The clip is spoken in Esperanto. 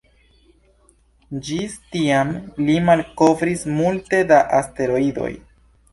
Ĝis tiam li malkovris multe da asteroidoj.